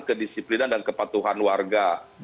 kedisiplinan dan kepatuhan warga